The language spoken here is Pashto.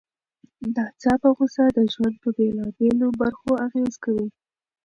ناڅاپه غوسه د ژوند په بېلابېلو برخو اغېز کوي.